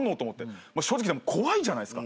正直怖いじゃないっすか。